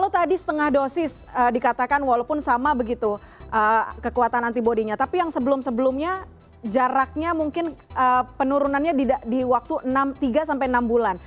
tadi setengah dosis dikatakan walaupun sama begitu kekuatan antibody nya tapi yang sebelum sebelumnya jaraknya mungkin penurunannya di waktu tiga sampai enam bulan